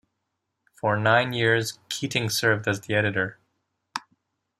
For nine years, Keating served as the editor.